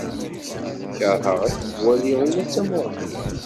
Keṛheɣ ad kem-waliɣ ula d tamuɣli.